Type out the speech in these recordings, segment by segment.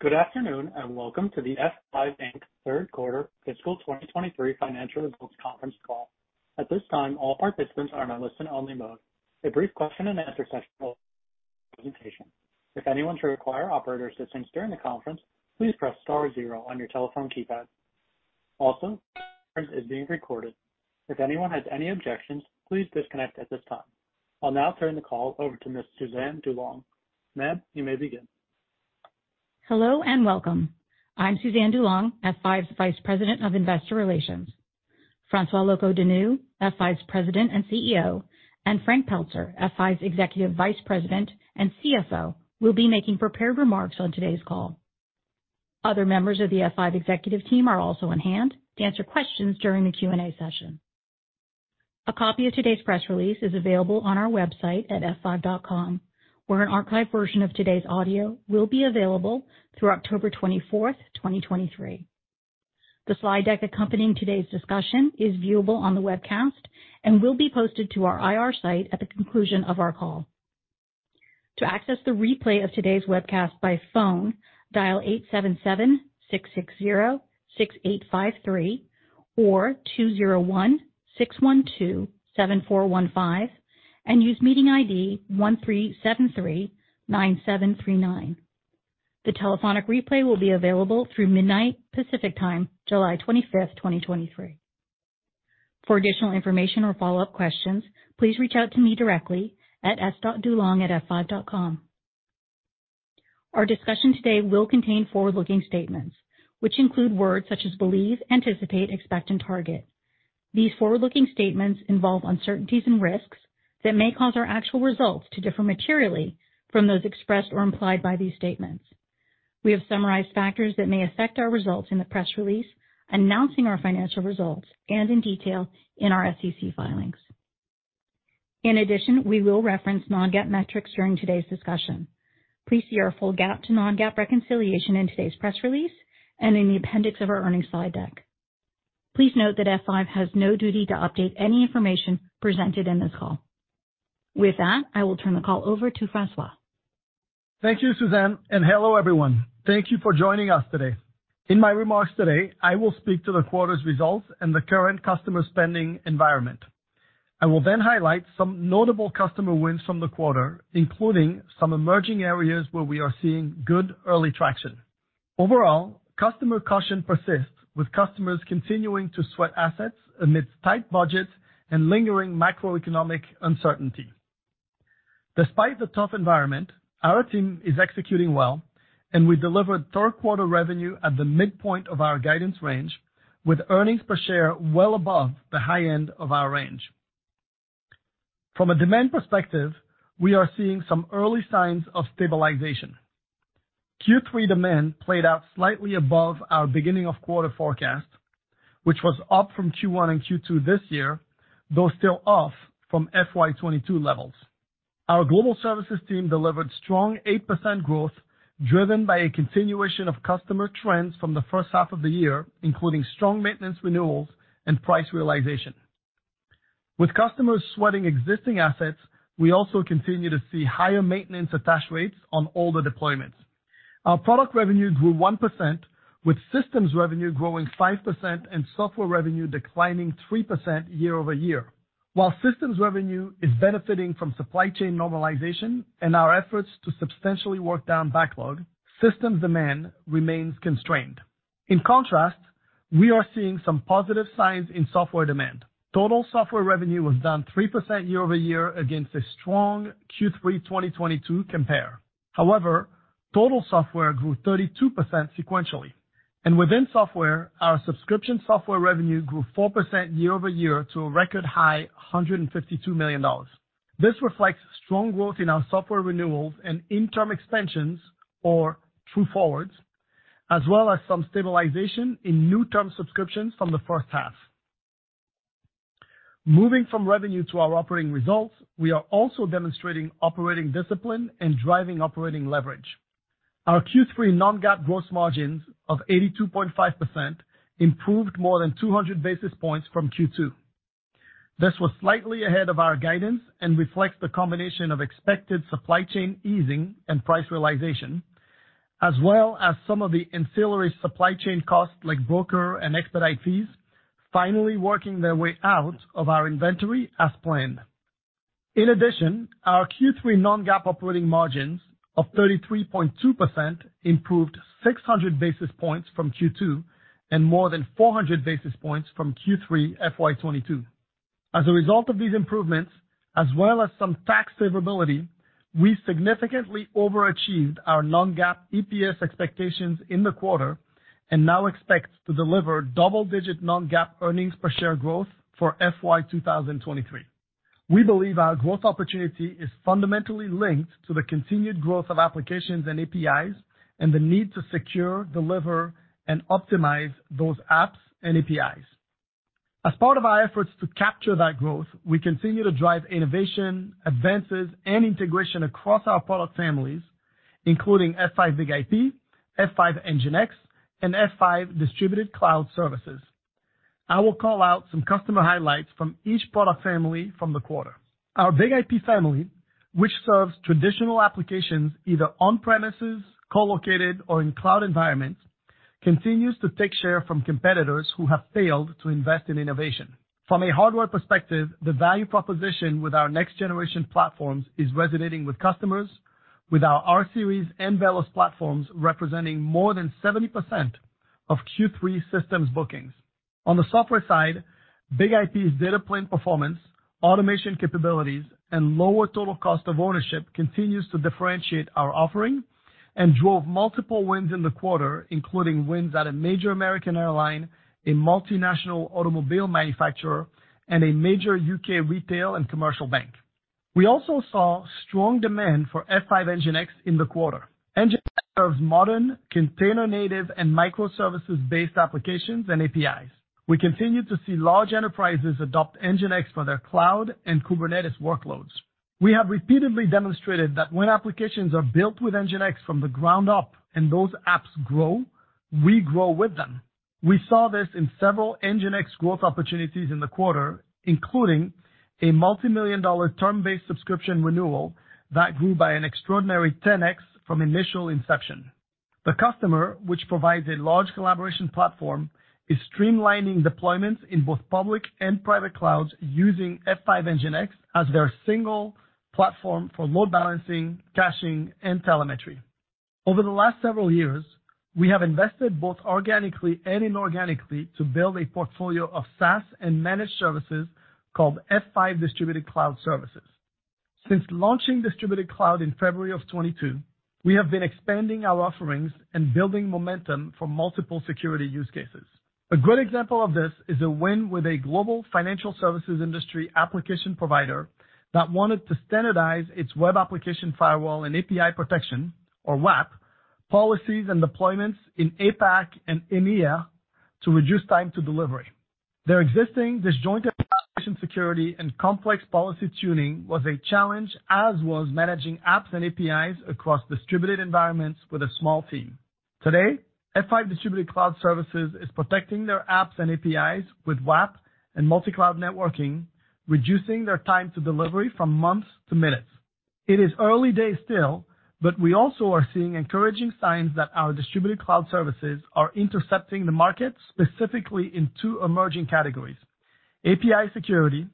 Good afternoon, welcome to the F5, Inc. Third Quarter Fiscal 2023 Financial Results Conference Call. At this time, all participants are in a listen-only mode. A brief question-and-answer session will follow the presentation. If anyone should require operator assistance during the conference, please press star zero on your telephone keypad. Also, is being recorded. If anyone has any objections, please disconnect at this time. I'll now turn the call over to Ms. Suzanne DuLong. Ma'am, you may begin. Hello, and welcome. I'm Suzanne DuLong, F5's Vice President of Investor Relations. François Locoh-Donou, F5's President and CEO, and Frank Pelzer, F5's Executive Vice President and CFO, will be making prepared remarks on today's call. Other members of the F5 executive team are also on hand to answer questions during the Q&A session. A copy of today's press release is available on our website at f5.com, where an archived version of today's audio will be available through October 24, 2023. The slide deck accompanying today's discussion is viewable on the webcast and will be posted to our IR site at the conclusion of our call. To access the replay of today's webcast by phone, dial 877-660-6853 or 201-612-7415 and use meeting ID 13739739. The telephonic replay will be available through midnight Pacific Time, July 25th, 2023. For additional information or follow-up questions, please reach out to me directly at S.DuLong@f5.com. Our discussion today will contain forward-looking statements, which include words such as believe, anticipate, expect, and target. These forward-looking statements involve uncertainties and risks that may cause our actual results to differ materially from those expressed or implied by these statements. We have summarized factors that may affect our results in the press release, announcing our financial results, and in detail in our SEC filings. In addition, we will reference non-GAAP metrics during today's discussion. Please see our full GAAP to non-GAAP reconciliation in today's press release and in the appendix of our earnings slide deck. Please note that F5 has no duty to update any information presented in this call. With that, I will turn the call over to François. Thank you, Suzanne. Hello, everyone. Thank you for joining us today. In my remarks today, I will speak to the quarter's results and the current customer spending environment. I will highlight some notable customer wins from the quarter, including some emerging areas where we are seeing good early traction. Overall, customer caution persists, with customers continuing to sweat assets amidst tight budgets and lingering macroeconomic uncertainty. Despite the tough environment, our team is executing well, and we delivered third-quarter revenue at the midpoint of our guidance range, with earnings per share well above the high end of our range. From a demand perspective, we are seeing some early signs of stabilization. Q3 demand played out slightly above our beginning of quarter forecast, which was up from Q1 and Q2 this year, though still off from FY 2022 levels. Our global services team delivered strong 8% growth, driven by a continuation of customer trends from the first half of the year, including strong maintenance renewals and price realization. With customers sweating existing assets, we also continue to see higher maintenance attach rates on all the deployments. Our product revenue grew 1%, with systems revenue growing 5% and software revenue declining 3% year-over-year. While systems revenue is benefiting from supply chain normalization and our efforts to substantially work down backlog, systems demand remains constrained. In contrast, we are seeing some positive signs in software demand. Total software revenue was down 3% year-over-year against a strong Q3 2022 compare. Total software grew 32% sequentially, and within software, our subscription software revenue grew 4% year-over-year to a record high, $152 million. This reflects strong growth in our software renewals and interim extensions, or True Forwards, as well as some stabilization in new term subscriptions from the first half. Moving from revenue to our operating results, we are also demonstrating operating discipline and driving operating leverage. Our Q3 non-GAAP gross margins of 82.5% improved more than 200 basis points from Q2. This was slightly ahead of our guidance and reflects the combination of expected supply chain easing and price realization, as well as some of the ancillary supply chain costs, like broker and expedite fees, finally working their way out of our inventory as planned. Our Q3 non-GAAP operating margins of 33.2% improved 600 basis points from Q2 and more than 400 basis points from Q3 FY 2022. As a result of these improvements, as well as some tax savability, we significantly overachieved our non-GAAP EPS expectations in the quarter and now expect to deliver double-digit non-GAAP earnings per share growth for FY 2023. We believe our growth opportunity is fundamentally linked to the continued growth of applications and APIs and the need to secure, deliver, and optimize those apps and APIs. As part of our efforts to capture that growth, we continue to drive innovation, advances, and integration across our product families, including F5 BIG-IP, F5 NGINX, and F5 Distributed Cloud Services.... I will call out some customer highlights from each product family from the quarter. Our BIG-IP family, which serves traditional applications either on premises, co-located, or in cloud environments, continues to take share from competitors who have failed to invest in innovation. From a hardware perspective, the value proposition with our next generation platforms is resonating with customers, with our rSeries and VELOS platforms representing more than 70% of Q3 systems bookings. On the software side, BIG-IP's data plane performance, automation capabilities, and lower total cost of ownership continues to differentiate our offering and drove multiple wins in the quarter, including wins at a major American airline, a multinational automobile manufacturer, and a major U.K. retail and commercial bank. We also saw strong demand for F5 NGINX in the quarter. NGINX serves modern, container-native, and microservices-based applications and APIs. We continue to see large enterprises adopt NGINX for their cloud and Kubernetes workloads. We have repeatedly demonstrated that when applications are built with NGINX from the ground up and those apps grow, we grow with them. We saw this in several NGINX growth opportunities in the quarter, including a multimillion-dollar term-based subscription renewal that grew by an extraordinary 10x from initial inception. The customer, which provides a large collaboration platform, is streamlining deployments in both public and private clouds, using F5 NGINX as their single platform for load balancing, caching, and telemetry. Over the last several years, we have invested both organically and inorganically to build a portfolio of SaaS and managed services called F5 Distributed Cloud Services. Since launching Distributed Cloud in February of 2022, we have been expanding our offerings and building momentum for multiple security use cases. A good example of this is a win with a global financial services industry application provider that wanted to standardize its web application firewall and API protection, or WAAP, policies and deployments in APAC and EMEA to reduce time to delivery. Their existing disjointed application security and complex policy tuning was a challenge, as was managing apps and APIs across distributed environments with a small team. Today, F5 Distributed Cloud Services is protecting their apps and APIs with WAAP and multi-cloud networking, reducing their time to delivery from months to minutes. It is early days still, we also are seeing encouraging signs that our Distributed Cloud Services are intercepting the market, specifically in two emerging categories: API security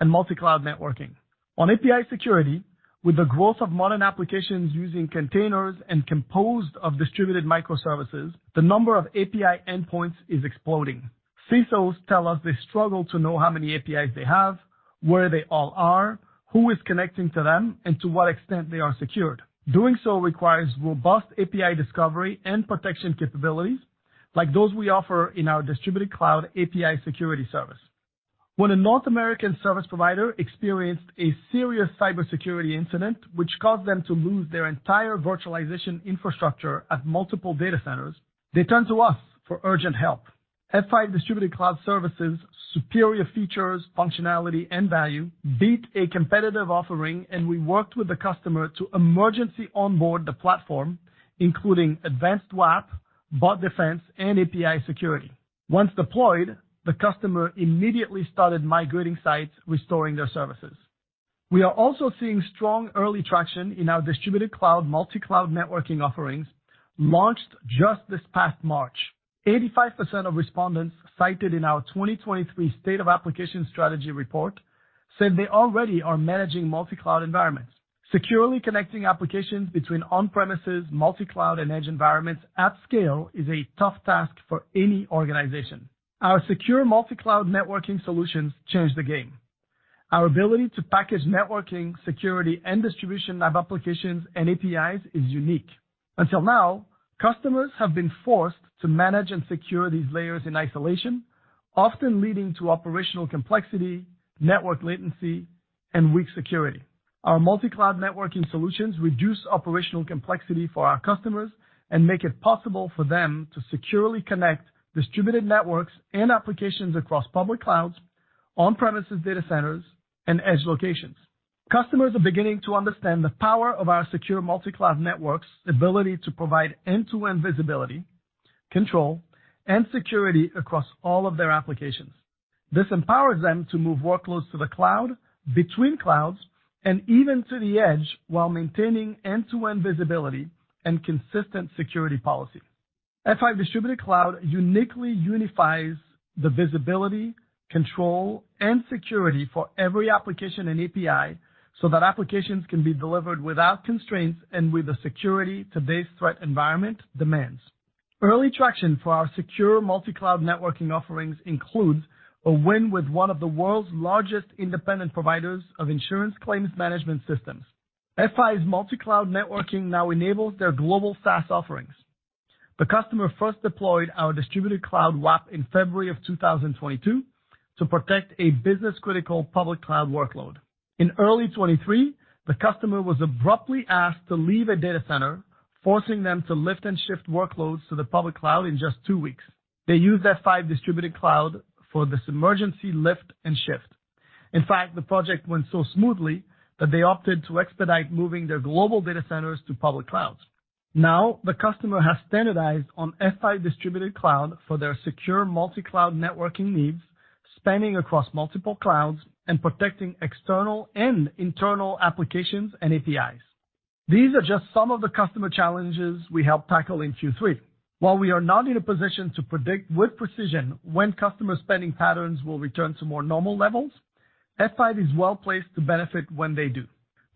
and multi-cloud networking. On API security, with the growth of modern applications using containers and composed of distributed microservices, the number of API endpoints is exploding. CISOs tell us they struggle to know how many APIs they have, where they all are, who is connecting to them, and to what extent they are secured. Doing so requires robust API discovery and protection capabilities like those we offer in our Distributed Cloud API Security Service. When a North American service provider experienced a serious cybersecurity incident, which caused them to lose their entire virtualization infrastructure at multiple data centers, they turned to us for urgent help. F5 Distributed Cloud Services, superior features, functionality, and value beat a competitive offering, and we worked with the customer to emergency onboard the platform, including advanced WAAP, Bot Defense, and API Security. Once deployed, the customer immediately started migrating sites, restoring their services. We are also seeing strong early traction in our Distributed Cloud multi-cloud networking offerings, launched just this past March. 85% of respondents cited in our 2023 State of Application Strategy report said they already are managing multi-cloud environments. Securely connecting applications between on-premises, multi-cloud, and edge environments at scale is a tough task for any organization. Our secure multi-cloud networking solutions change the game. Our ability to package networking, security, and distribution of applications and APIs is unique. Until now, customers have been forced to manage and secure these layers in isolation, often leading to operational complexity, network latency, and weak security. Our multi-cloud networking solutions reduce operational complexity for our customers and make it possible for them to securely connect distributed networks and applications across public clouds, on-premises data centers, and edge locations. Customers are beginning to understand the power of our secure multi-cloud network's ability to provide end-to-end visibility, control, and security across all of their applications. This empowers them to move workloads to the cloud, between clouds, and even to the edge, while maintaining end-to-end visibility and consistent security policy. F5 Distributed Cloud uniquely unifies the visibility, control, and security for every application and API so that applications can be delivered without constraints and with the security today's threat environment demands. Early traction for our secure multi-cloud networking offerings includes a win with one of the world's largest independent providers of insurance claims management systems. F5's multi-cloud networking now enables their global SaaS offerings. The customer first deployed our distributed cloud WAAP in February of 2022 to protect a business-critical public cloud workload. In early 2023, the customer was abruptly asked to leave a data center, forcing them to lift and shift workloads to the public cloud in just two weeks. They used F5 Distributed Cloud for this emergency lift and shift. In fact, the project went so smoothly that they opted to expedite moving their global data centers to public clouds. The customer has standardized on F5 Distributed Cloud for their secure multi-cloud networking needs, spanning across multiple clouds and protecting external and internal applications and APIs. These are just some of the customer challenges we helped tackle in Q3. While we are not in a position to predict with precision when customer spending patterns will return to more normal levels, F5 is well-placed to benefit when they do.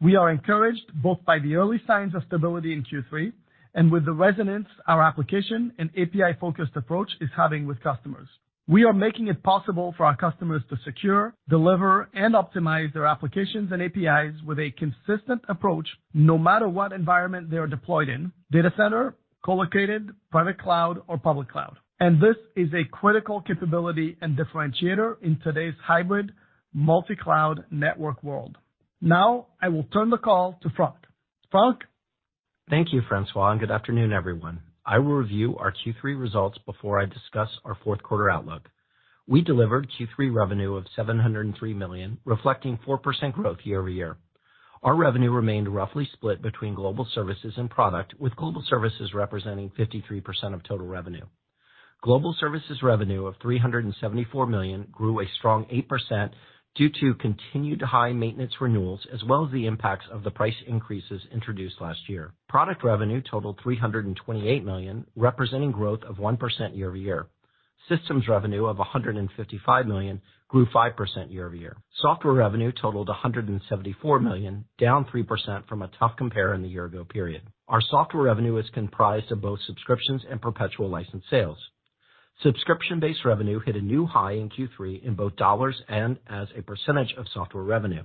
We are encouraged both by the early signs of stability in Q3 and with the resonance our application and API-focused approach is having with customers. We are making it possible for our customers to secure, deliver, and optimize their applications and APIs with a consistent approach, no matter what environment they are deployed in, data center, co-located, private cloud, or public cloud. This is a critical capability and differentiator in today's hybrid multi-cloud network world. Now, I will turn the call to Frank. Frank? Thank you, François, good afternoon, everyone. I will review our Q3 results before I discuss our fourth quarter outlook. We delivered Q3 revenue of $703 million, reflecting 4% growth year-over-year. Our revenue remained roughly split between Global Services and Product, with Global Services representing 53% of total revenue. Global Services revenue of $374 million grew a strong 8% due to continued high maintenance renewals, as well as the impacts of the price increases introduced last year. Product revenue totaled $328 million, representing growth of 1% year-over-year. Systems revenue of $155 million grew 5% year-over-year. Software revenue totaled $174 million, down 3% from a tough compare in the year ago period. Our Software revenue is comprised of both subscriptions and perpetual license sales. Subscription-based revenue hit a new high in Q3 in both dollars and as a percentage of software revenue.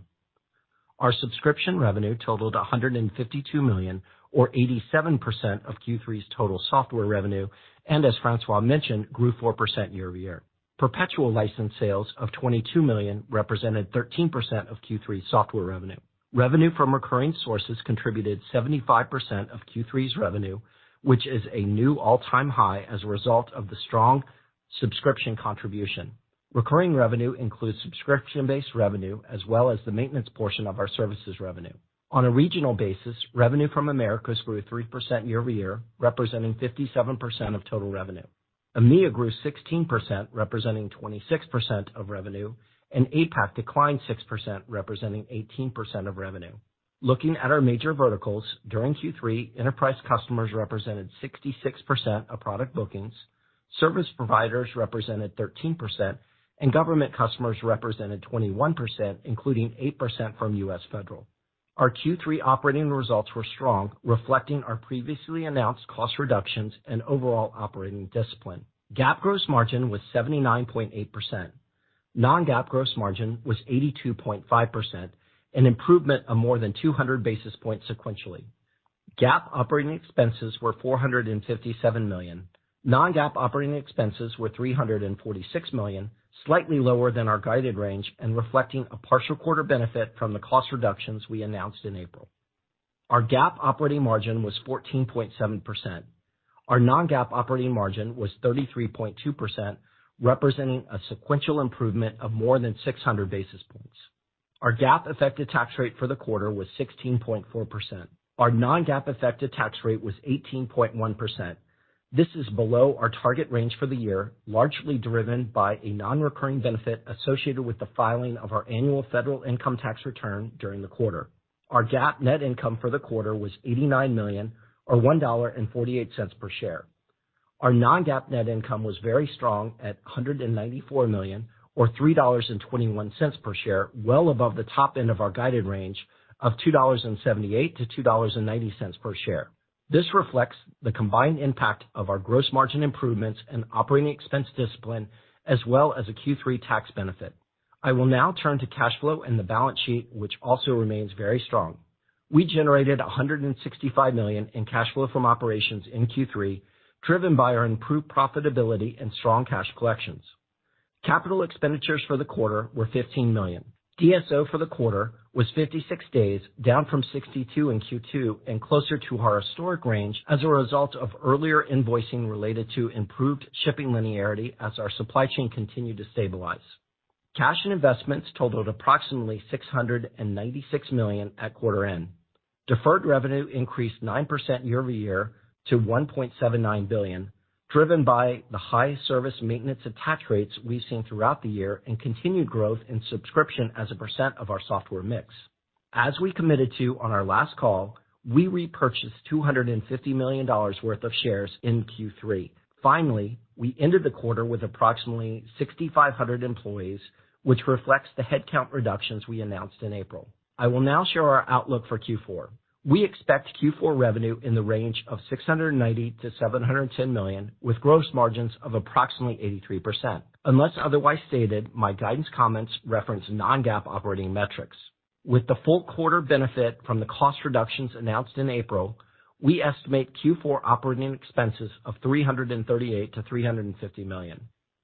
Our subscription revenue totaled $152 million, or 87% of Q3's total software revenue, and as François mentioned, grew 4% year-over-year. Perpetual license sales of $22 million represented 13% of Q3's software revenue. Revenue from recurring sources contributed 75% of Q3's revenue, which is a new all-time high as a result of the strong subscription contribution. Recurring revenue includes subscription-based revenue, as well as the maintenance portion of our services revenue. On a regional basis, revenue from Americas grew 3% year-over-year, representing 57% of total revenue. EMEA grew 16%, representing 26% of revenue, and APAC declined 6%, representing 18% of revenue. Looking at our major verticals, during Q3, enterprise customers represented 66% of product bookings, service providers represented 13%, and government customers represented 21%, including 8% from US Federal. Our Q3 operating results were strong, reflecting our previously announced cost reductions and overall operating discipline. GAAP gross margin was 79.8%. Non-GAAP gross margin was 82.5%, an improvement of more than 200 basis points sequentially. GAAP operating expenses were $457 million. non-GAAP operating expenses were $346 million, slightly lower than our guided range, and reflecting a partial quarter benefit from the cost reductions we announced in April. Our GAAP operating margin was 14.7%. Our non-GAAP operating margin was 33.2%, representing a sequential improvement of more than 600 basis points. Our GAAP effective tax rate for the quarter was 16.4%. Our non-GAAP effective tax rate was 18.1%. This is below our target range for the year, largely driven by a non-recurring benefit associated with the filing of our annual federal income tax return during the quarter. Our GAAP net income for the quarter was $89 million, or $1.48 per share. Our non-GAAP net income was very strong at $194 million, or $3.21 per share, well above the top end of our guided range of $2.78 - 2.90 per share. This reflects the combined impact of our gross margin improvements and operating expense discipline, as well as a Q3 tax benefit. I will now turn to cash flow and the balance sheet, which also remains very strong. We generated $165 million in cash flow from operations in Q3, driven by our improved profitability and strong cash collections. Capital expenditures for the quarter were $15 million. DSO for the quarter was 56 days, down from 62 in Q2 and closer to our historic range as a result of earlier invoicing related to improved shipping linearity as our supply chain continued to stabilize. Cash and investments totaled approximately $696 million at quarter end. Deferred revenue increased 9% year-over-year to $1.79 billion, driven by the high service maintenance attach rates we've seen throughout the year and continued growth in subscription as a % of our software mix. As we committed to on our last call, we repurchased $250 million worth of shares in Q3. Finally, we ended the quarter with approximately 6,500 employees, which reflects the headcount reductions we announced in April. I will now share our outlook for Q4. We expect Q4 revenue in the range of $690-$710 million, with gross margins of approximately 83%. Unless otherwise stated, my guidance comments reference non-GAAP operating metrics. With the full quarter benefit from the cost reductions announced in April, we estimate Q4 operating expenses of $338 million-$350 million.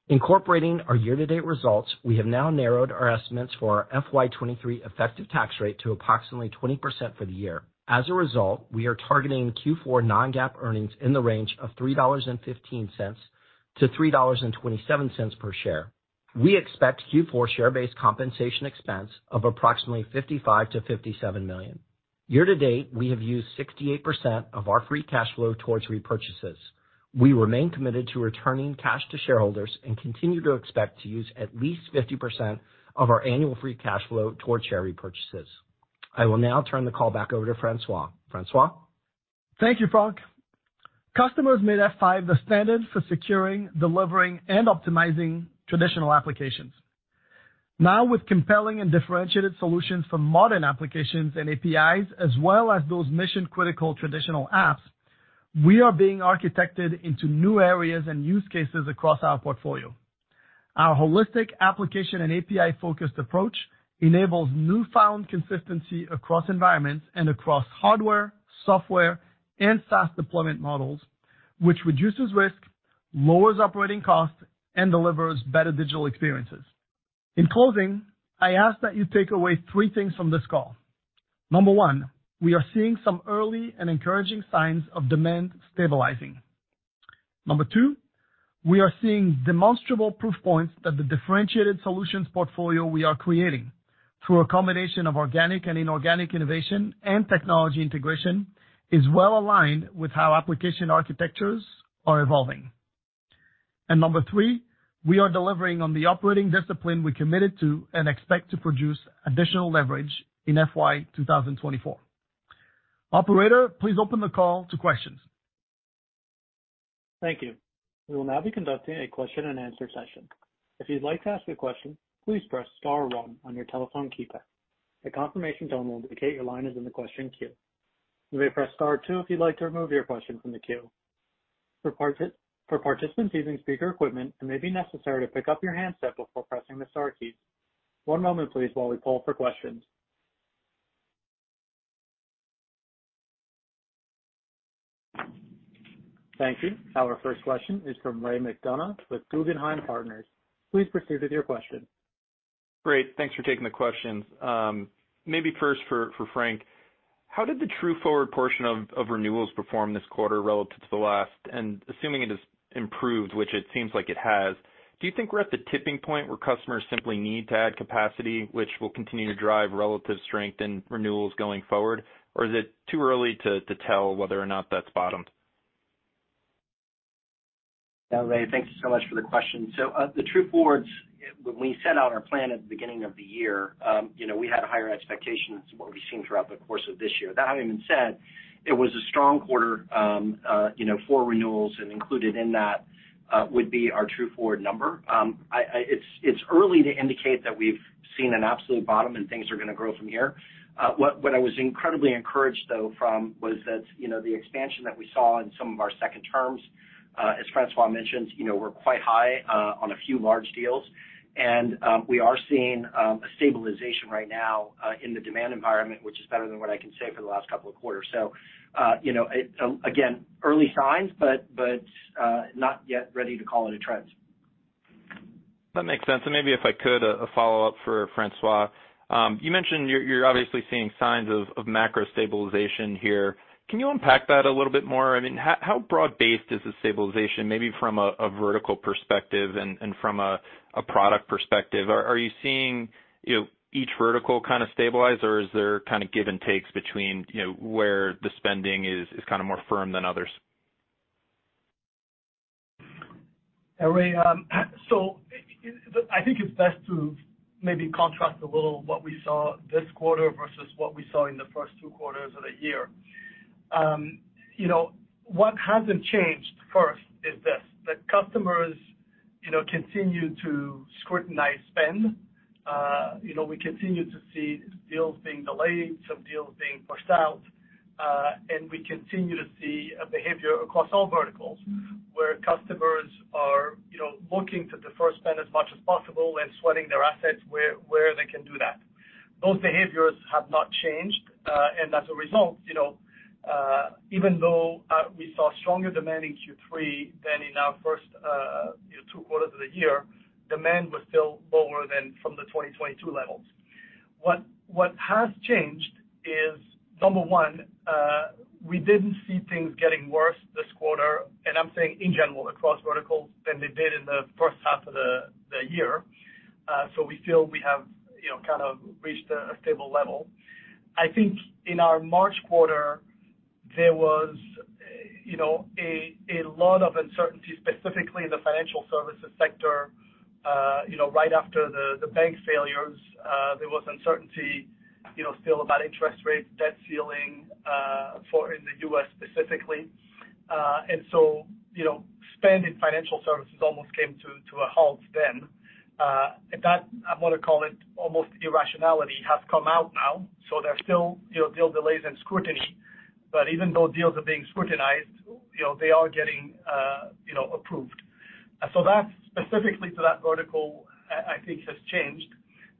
Incorporating our year-to-date results, we have now narrowed our estimates for our FY 2023 effective tax rate to approximately 20% for the year. As a result, we are targeting Q4 non-GAAP earnings in the range of $3.15-$3.27 per share. We expect Q4 share-based compensation expense of approximately $55 million-$57 million.... Year-to-date, we have used 68% of our free cash flow towards repurchases. We remain committed to returning cash to shareholders and continue to expect to use at least 50% of our annual free cash flow toward share repurchases. I will now turn the call back over to François. François? Thank you, Frank. Customers made F5 the standard for securing, delivering, and optimizing traditional applications. With compelling and differentiated solutions for modern applications and APIs, as well as those mission-critical traditional apps, we are being architected into new areas and use cases across our portfolio. Our holistic application and API-focused approach enables newfound consistency across environments and across hardware, software, and SaaS deployment models, which reduces risk, lowers operating costs, and delivers better digital experiences. In closing, I ask that you take away three things from this call. Number one, we are seeing some early and encouraging signs of demand stabilizing. Number two, we are seeing demonstrable proof points that the differentiated solutions portfolio we are creating through a combination of organic and inorganic innovation and technology integration, is well aligned with how application architectures are evolving. Number three, we are delivering on the operating discipline we committed to and expect to produce additional leverage in FY 2024. Operator, please open the call to questions. Thank you. We will now be conducting a question-and-answer session. If you'd like to ask a question, please press star one on your telephone keypad. A confirmation tone will indicate your line is in the question queue. You may press star two if you'd like to remove your question from the queue. For participants using speaker equipment, it may be necessary to pick up your handset before pressing the star keys. One moment, please, while we poll for questions. Thank you. Our first question is from Ray McDonough with Guggenheim Securities. Please proceed with your question. Great, thanks for taking the questions. Maybe first for Frank, how did the True Forward portion of renewals perform this quarter relative to the last? Assuming it has improved, which it seems like it has, do you think we're at the tipping point where customers simply need to add capacity, which will continue to drive relative strength and renewals going forward? Is it too early to tell whether or not that's bottomed? Yeah, Ray, thank you so much for the question. The True Forwards, when we set out our plan at the beginning of the year, you know, we had higher expectations than what we've seen throughout the course of this year. That having been said, it was a strong quarter, you know, for renewals, and included in that would be our True Forward number. It's early to indicate that we've seen an absolute bottom and things are gonna grow from here. What I was incredibly encouraged, though, from was that, you know, the expansion that we saw in some of our second terms, as Francois mentioned, you know, were quite high on a few large deals. We are seeing a stabilization right now in the demand environment, which is better than what I can say for the last couple of quarters. You know, it again, early signs, but not yet ready to call it a trend. That makes sense. Maybe if I could, a follow-up for François. You mentioned you're obviously seeing signs of macro stabilization here. Can you unpack that a little bit more? I mean, how broad-based is the stabilization, maybe from a vertical perspective and from a product perspective? Are you seeing, you know, each vertical kind of stabilize, or is there kind of give and takes between, you know, where the spending is kind of more firm than others? Hey, Ray, I think it's best to maybe contrast a little what we saw this quarter versus what we saw in the first two quarters of the year. You know, what hasn't changed, first, is this, that customers, you know, continue to scrutinize spend. You know, we continue to see deals being delayed, some deals being pushed out, and we continue to see a behavior across all verticals where customers are, you know, looking to defer spend as much as possible and sweating their assets where they can do that. Those behaviors have not changed, as a result, you know, even though we saw stronger demand in Q3 than in our first, you know, two quarters of the year, demand was still lower than from the 2022 levels. What has changed is, number one, we didn't see things getting worse this quarter, and I'm saying in general across verticals, than they did in the first half of the year. We feel we have, you know, kind of reached a stable level. I think in our March quarter, there was, you know, a lot of uncertainty, specifically in the financial services sector, right after the bank failures. There was uncertainty, still about interest rates, debt ceiling, for in the U.S. specifically. Spend in financial services almost came to a halt then. That, I want to call it, almost irrationality, has come out now. There are still, you know, deal delays and scrutiny, but even though deals are being scrutinized, you know, they are getting, you know, approved. That's specifically to that vertical, I think, has changed.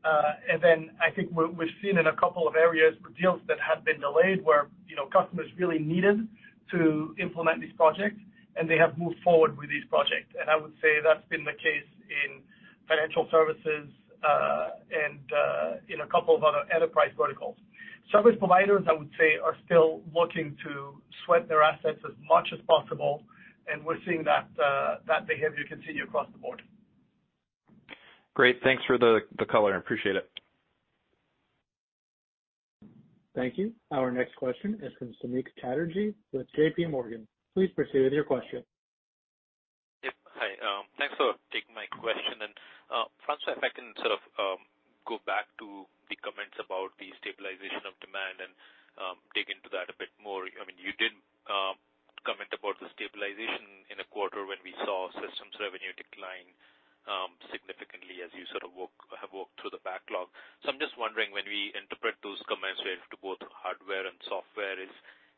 I think what we've seen in a couple of areas, deals that have been delayed where, you know, customers really needed to implement these projects, and they have moved forward with these projects. I would say that's been the case in financial services, and in a couple of other enterprise verticals. Service providers, I would say, are still looking to sweat their assets as much as possible, and we're seeing that behavior continue across the board. Great. Thanks for the color. I appreciate it. Thank you. Our next question is from Samik Chatterjee with JPMorgan. Please proceed with your question. Yep. Hi. Thanks for taking my question. François, if I can sort of go back to the comments about the stabilization of demand and dig into that a bit more. I mean, you did comment about the stabilization in a quarter when we saw systems revenue decline significantly as you sort of have worked through the backlog. I'm just wondering, when we interpret those comments related to both hardware and software,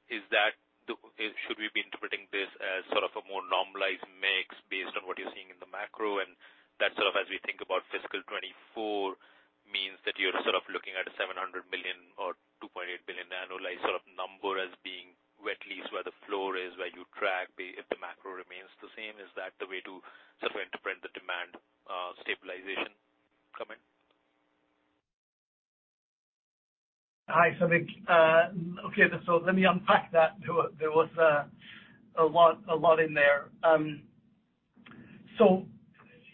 should we be interpreting this as sort of a more normalized mix based on what you're seeing in the macro? That sort of, as we think about fiscal 2024, means that you're sort of looking at a $700 million or $2.8 billion annualized sort of number as being at least where the floor is, where you track, if the macro remains the same, is that the way to sort of interpret the demand, stabilization comment? Hi, Samik. Okay, let me unpack that. There was a lot in there.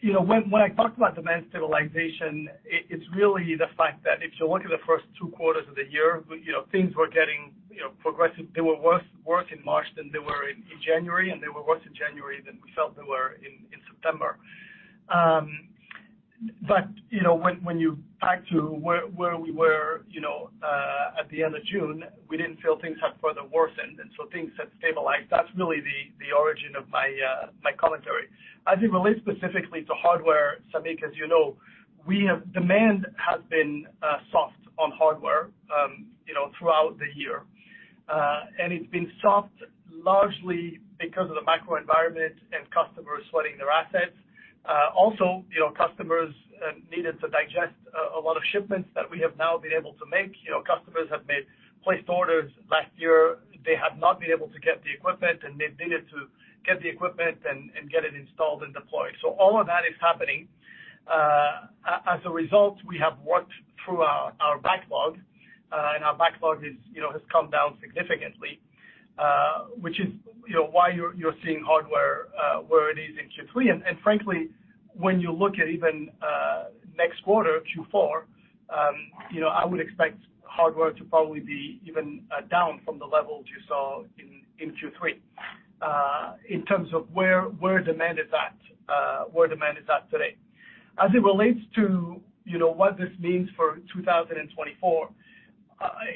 You know, when I talked about demand stabilization, it's really the fact that if you look at the first two quarters of the year, you know, things were getting, you know, progressive. They were worse in March than they were in January, and they were worse in January than we felt they were in September. You know, when you back to where we were, you know, at the end of June, we didn't feel things have further worsened, and things have stabilized. That's really the origin of my commentary. As it relates specifically to hardware, Samik, as you know, demand has been soft on hardware, you know, throughout the year. It's been soft largely because of the macro environment and customers sweating their assets. Also, you know, customers, needed to digest a lot of shipments that we have now been able to make. You know, customers have made, placed orders last year. They have not been able to get the equipment, and they've needed to get the equipment and get it installed and deployed. All of that is happening. As a result, we have worked through our backlog, and our backlog is, you know, has come down significantly, which is, you know, why you're seeing hardware, where it is in Q3. Frankly, when you look at even, next quarter, Q4, you know, I would expect hardware to probably be even down from the levels you saw in Q3 in terms of where demand is at, where demand is at today. As it relates to, you know, what this means for 2024,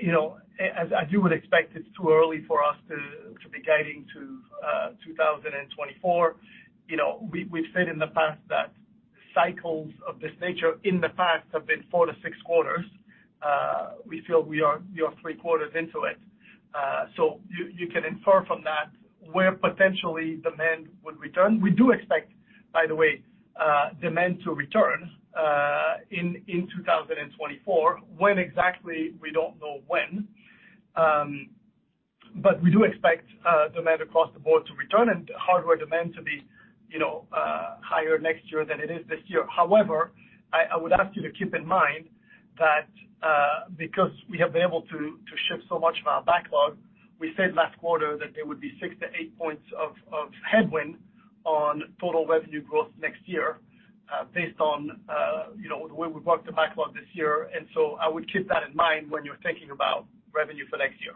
you know, as you would expect, it's too early for us to be guiding to 2024. You know, we've said in the past that cycles of this nature in the past have been four to six quarters. We feel we are, you know, three quarters into it. You can infer from that where potentially demand would return. We do expect, by the way, demand to return in 2024. When exactly, we don't know when, but we do expect demand across the board to return and hardware demand to be, you know, higher next year than it is this year. However, I would ask you to keep in mind that because we have been able to ship so much of our backlog, we said last quarter that there would be 6-8 points of headwind on total revenue growth next year, based on, you know, the way we've worked the backlog this year. I would keep that in mind when you're thinking about revenue for next year.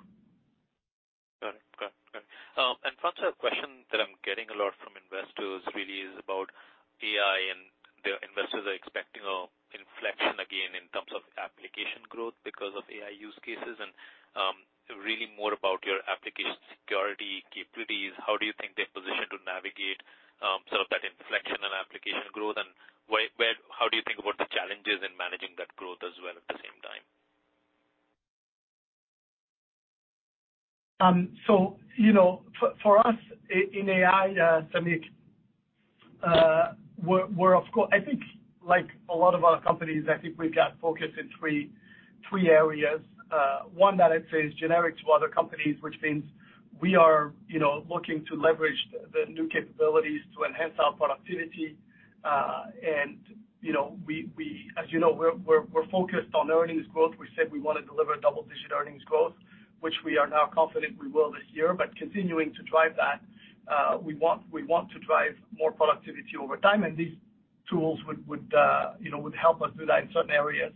Got it. Okay. Good. François, a question that I'm getting a lot from investors really is about AI, the investors are expecting an inflection again in terms of application growth because of AI use cases and, really more about your application security capabilities. How do you think they're positioned to navigate, sort of that inflection and application growth, and how do you think about the challenges in managing that growth as well at the same time? you know, for us in AI, Samik, we're of course. I think like a lot of other companies, I think we've got focus in three areas. One that I'd say is generic to other companies, which means we are, you know, looking to leverage the new capabilities to enhance our productivity, you know, we, as you know, we're focused on earnings growth. We said we want to deliver double-digit earnings growth, which we are now confident we will this year. Continuing to drive that, we want to drive more productivity over time, these tools would, you know, would help us do that in certain areas.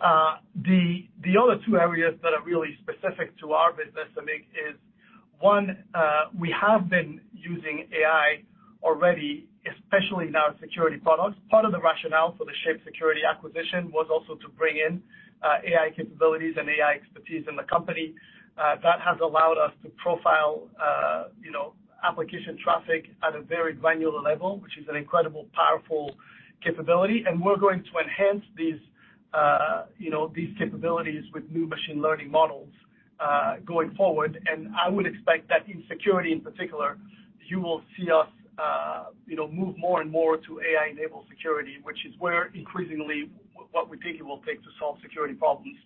The other two areas that are really specific to our business, Samik, is one, we have been using AI already, especially now in security products. Part of the rationale for the Shape Security acquisition was also to bring in AI capabilities and AI expertise in the company. That has allowed us to profile, you know, application traffic at a very granular level, which is an incredible, powerful capability, and we're going to enhance these, you know, these capabilities with new machine learning models going forward. I would expect that in security, in particular, you will see us, you know, move more and more to AI-enabled security, which is where increasingly what we think it will take to solve security problems.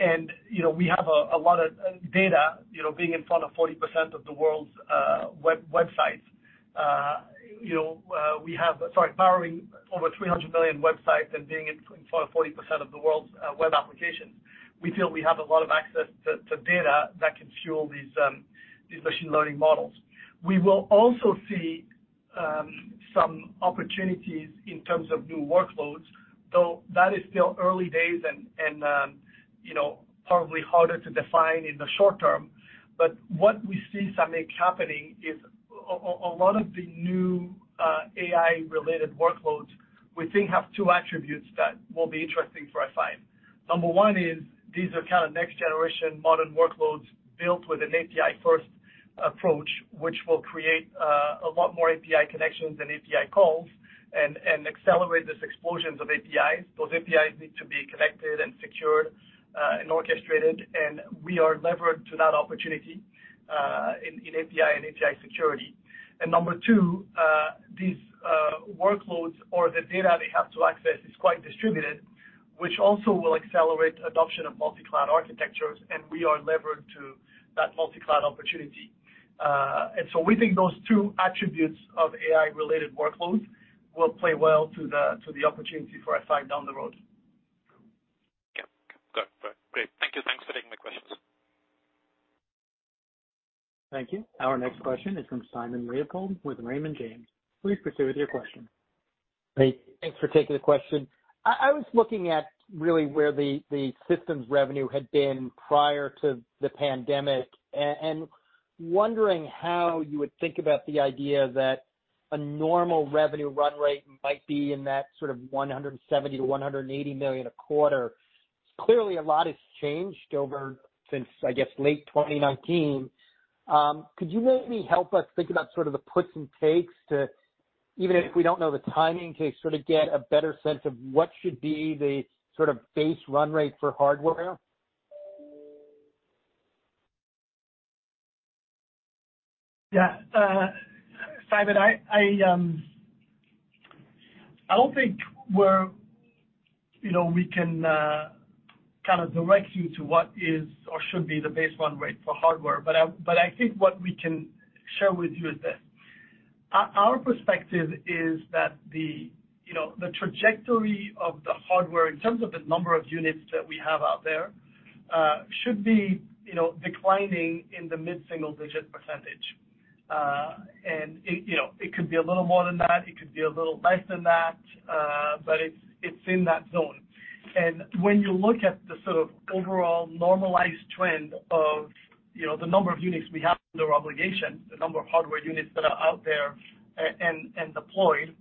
You know, we have a lot of data, you know, being in front of 40% of the world's websites. You know, powering over 300 million websites and being in front of 40% of the world's web applications, we feel we have a lot of access to data that can fuel these machine learning models. We will also see some opportunities in terms of new workloads, though that is still early days and, you know, probably harder to define in the short term. What we see something happening is a lot of the new AI-related workloads, we think have two attributes that will be interesting for F5. Number one is these are kind of next generation modern workloads built with an API-first approach, which will create a lot more API connections and API calls and accelerate this explosions of APIs. Those APIs need to be connected and secured and orchestrated, we are levered to that opportunity in API and API security. Number two, these workloads or the data they have to access is quite distributed, which also will accelerate adoption of multi-cloud architectures, we are levered to that multi-cloud opportunity. We think those two attributes of AI-related workloads will play well to the opportunity for F5 down the road. Yeah. Good. Great. Thank you. Thanks for taking my questions. Thank you. Our next question is from Simon Leopold with Raymond James. Please proceed with your question. Hey, thanks for taking the question. I was looking at really where the systems revenue had been prior to the pandemic, and wondering how you would think about the idea that a normal revenue run rate might be in that sort of $170 million-$180 million a quarter. Clearly, a lot has changed over since, I guess, late 2019. Could you maybe help us think about sort of the puts and takes to, even if we don't know the timing, to sort of get a better sense of what should be the sort of base run rate for hardware? Yeah. Simon, I, I don't think we're, you know, we can kind of direct you to what is or should be the base run rate for hardware, but I, but I think what we can share with you is this. Our, our perspective is that the, you know, the trajectory of the hardware in terms of the number of units that we have out there should be, you know, declining in the mid-single-digit %. It, you know, it could be a little more than that, it could be a little less than that, but it's in that zone. When you look at the sort of overall normalized trend of, you know, the number of units we have under obligation, the number of hardware units that are out there and deployed,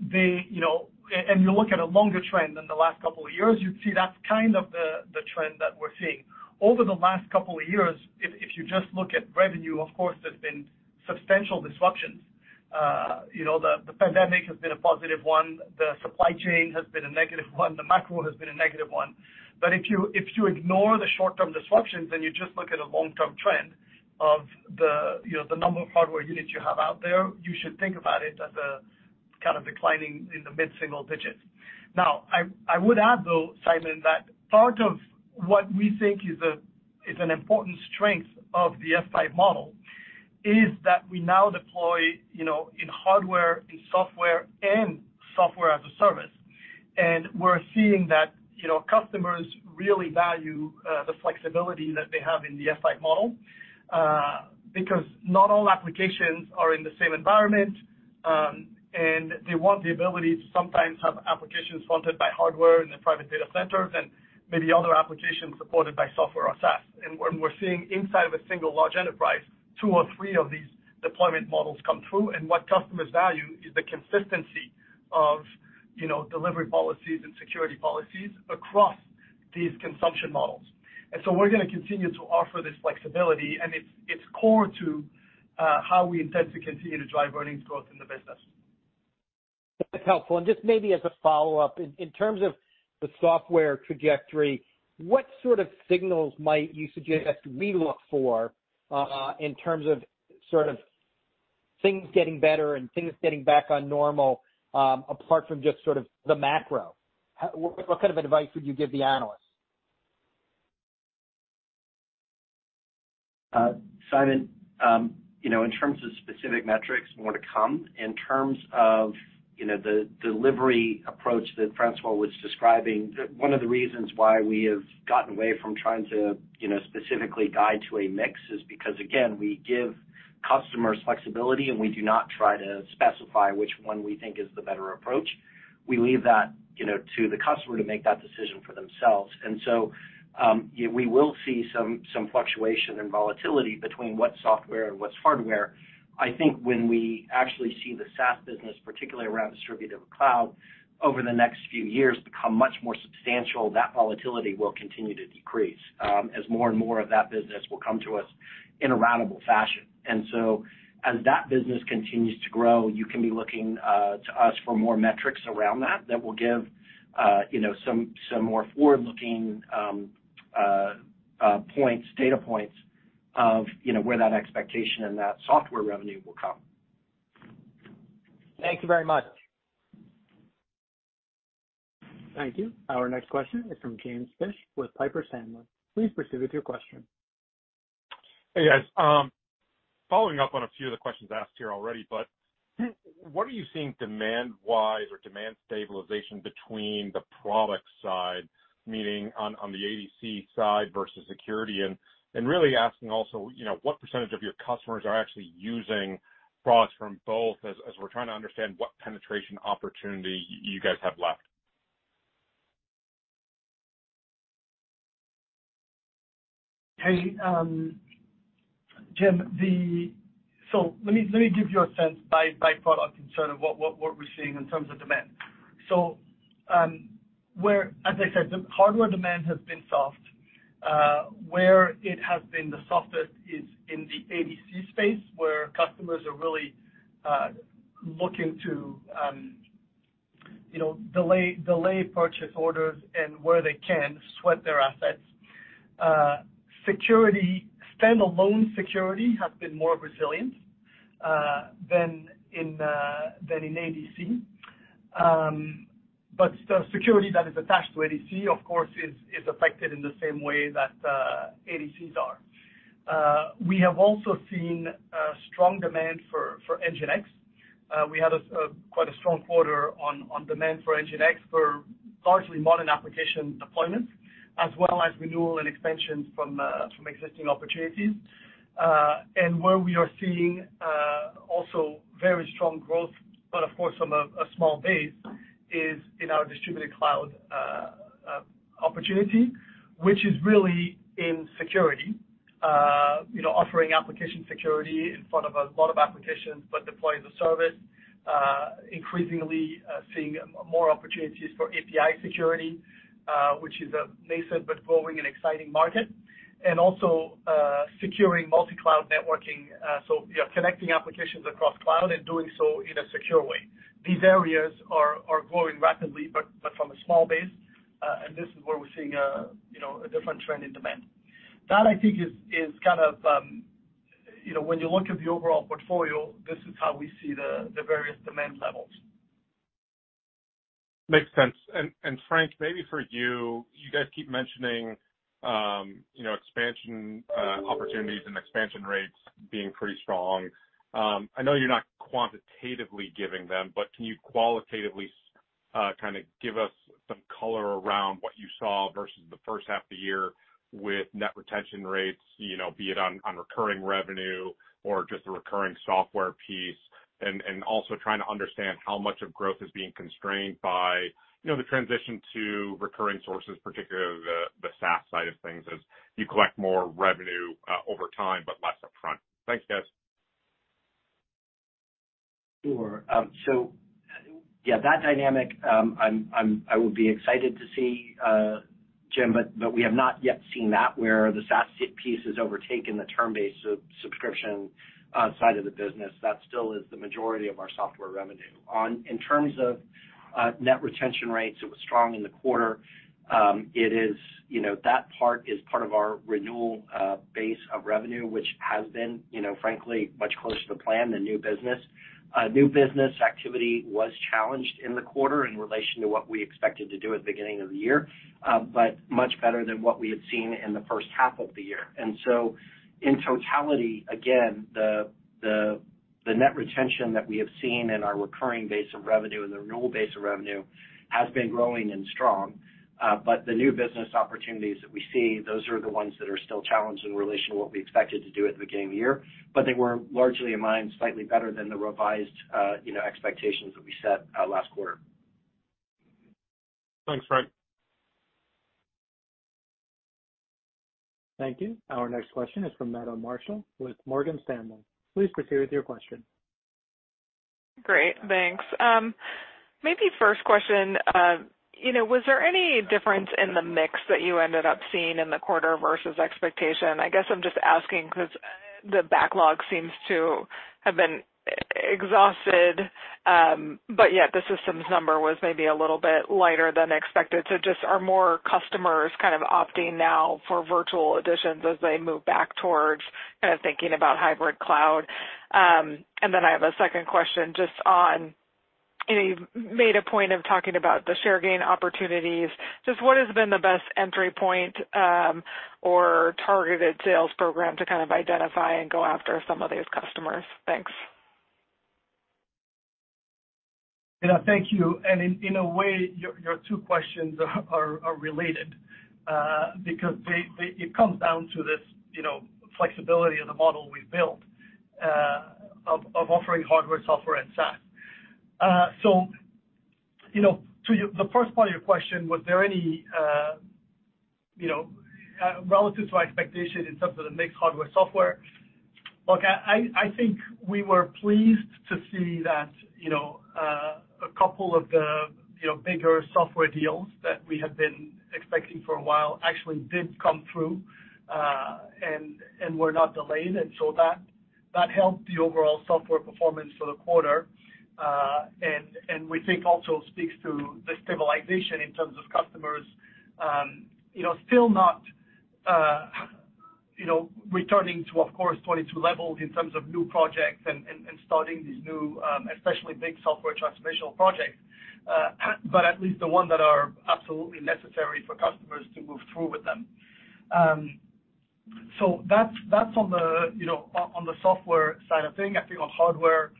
they, you know. You look at a longer trend than the last couple of years, you'd see that's kind of the trend that we're seeing. Over the last couple of years, if you just look at revenue, of course, there's been substantial disruptions. You know, the pandemic has been a positive one, the supply chain has been a negative one, the macro has been a negative one. If you, if you ignore the short-term disruptions, and you just look at a long-term trend of the, you know, the number of hardware units you have out there, you should think about it as a kind of declining in the mid-single digits. Now, I would add, though, Simon, that part of what we think is an important strength of the F5 model is that we now deploy, you know, in hardware, in software, and software as a service. We're seeing that, you know, customers really value the flexibility that they have in the F5 model because not all applications are in the same environment, and they want the ability to sometimes have applications hosted by hardware in their private data centers and maybe other applications supported by software or SaaS. We're seeing inside of a single large enterprise, two or three of these deployment models come through, and what customers value is the consistency of, you know, delivery policies and security policies across these consumption models. We're gonna continue to offer this flexibility, and it's core to how we intend to continue to drive earnings growth in the business. That's helpful. Just maybe as a follow-up, in terms of the software trajectory, what sort of signals might you suggest we look for, in terms of sort of things getting better and things getting back on normal, apart from just sort of the macro? What kind of advice would you give the analysts? Simon, you know, in terms of specific metrics, more to come. In terms of, you know, the delivery approach that François was describing, one of the reasons why we have gotten away from trying to, you know, specifically guide to a mix is because, again, we give customers flexibility, and we do not try to specify which one we think is the better approach. We leave that, you know, to the customer to make that decision for themselves. Yeah, we will see some fluctuation and volatility between what's software and what's hardware. I think when we actually see the SaaS business, particularly around Distributed Cloud, over the next few years, become much more substantial, that volatility will continue to decrease, as more and more of that business will come to us in a ratable fashion. As that business continues to grow, you can be looking to us for more metrics around that will give, you know, some more forward-looking points, data points of, you know, where that expectation and that software revenue will come. Thank you very much. Thank you. Our next question is from James Fish with Piper Sandler. Please proceed with your question. Hey, guys,... Following up on a few of the questions asked here already, what are you seeing demand-wise or demand stabilization between the product side, meaning on the ADC side versus security? Really asking also, you know, what % of your customers are actually using products from both, as we're trying to understand what penetration opportunity you guys have left? Hey, Jim, let me give you a sense by product in terms of what we're seeing in terms of demand. Where, as I said, the hardware demand has been soft. Where it has been the softest is in the ADC space, where customers are really looking to, you know, delay purchase orders and where they can sweat their assets. Security, standalone security has been more resilient than in ADC. Security that is attached to ADC, of course, is affected in the same way that ADCs are. We have also seen strong demand for NGINX. We had quite a strong quarter on demand for NGINX for largely modern application deployments, as well as renewal and expansion from existing opportunities. Where we are seeing also very strong growth, but of course, from a small base, is in our Distributed Cloud opportunity, which is really in security. You know, offering application security in front of a lot of applications, but deploying the service increasingly seeing more opportunities for API security, which is a nascent but growing and exciting market, and also securing multi-cloud networking. Yeah, connecting applications across cloud and doing so in a secure way. These areas are growing rapidly, but from a small base, and this is where we're seeing a, you know, a different trend in demand. That, I think, is kind of, you know, when you look at the overall portfolio, this is how we see the various demand levels. Makes sense. Frank, maybe for you guys keep mentioning, you know, expansion opportunities and expansion rates being pretty strong. I know you're not quantitatively giving them, but can you qualitatively kind of give us some color around what you saw versus the first half of the year with net retention rates, you know, be it on recurring revenue or just the recurring software piece, and also trying to understand how much of growth is being constrained by, you know, the transition to recurring sources, particularly the SaaS side of things, as you collect more revenue over time, but less upfront. Thanks, guys. Sure. Yeah, that dynamic, I would be excited to see, James, but we have not yet seen that where the SaaS piece has overtaken the term-based sub-subscription, side of the business. That still is the majority of our software revenue. On, in terms of, net retention rates, it was strong in the quarter. It is, you know, that part is part of our renewal, base of revenue, which has been, you know, frankly, much closer to plan than new business. New business activity was challenged in the quarter in relation to what we expected to do at the beginning of the year, but much better than what we had seen in the first half of the year. In totality, again, the net retention that we have seen in our recurring base of revenue and the renewal base of revenue has been growing and strong. The new business opportunities that we see, those are the ones that are still challenged in relation to what we expected to do at the beginning of the year. They were largely in line, slightly better than the revised, you know, expectations that we set last quarter. Thanks, Frank. Thank you. Our next question is from Meta Marshall with Morgan Stanley. Please proceed with your question. Great, thanks. Maybe first question, you know, was there any difference in the mix that you ended up seeing in the quarter versus expectation? I guess I'm just asking because the backlog seems to have been exhausted, but yet the systems number was maybe a little bit lighter than expected. Just are more customers kind of opting now for virtual additions as they move back towards kind of thinking about hybrid cloud? I have a second question just on, you made a point of talking about the share gain opportunities. Just what has been the best entry point, or targeted sales program to kind of identify and go after some of these customers? Thanks. Thank you. In a way, your two questions are related, because it comes down to this, you know, flexibility of the model we built, of offering hardware, software, and SaaS. you know, to your, the first part of your question, was there any relative to our expectation in terms of the mix, hardware, software? Look, I think we were pleased to see that, you know, a couple of the, you know, bigger software deals that we had been expecting for a while actually did come through, were not delayed, that helped the overall software performance for the quarter. And we think also speaks to the stabilization in terms of customers, you know, still not, you know, returning to, of course, 2022 levels in terms of new projects and, and starting these new, especially big software transformational projects. At least the ones that are absolutely necessary for customers to move through with them. That's, that's on the, you know, on the software side of things. I think on hardware,